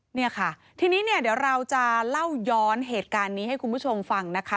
เนี่ยค่ะทีนี้เนี่ยเดี๋ยวเราจะเล่าย้อนเหตุการณ์นี้ให้คุณผู้ชมฟังนะคะ